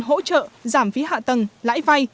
hỗ trợ giảm phí hạ tầng lãi vay